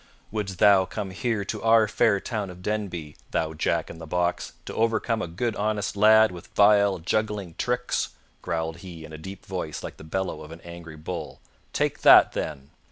"Wouldst thou come here to our fair town of Denby, thou Jack in the Box, to overcome a good honest lad with vile, juggling tricks?" growled he in a deep voice like the bellow of an angry bull. "Take that, then!"